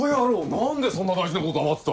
何でそんな大事なこと黙ってた。